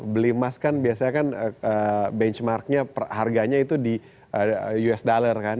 beli emas kan biasanya kan benchmarknya harganya itu di us dollar kan